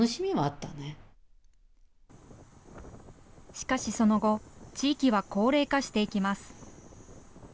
しかしその後、地域は高齢化していきます。